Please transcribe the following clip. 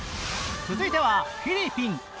続いてはフィリピン。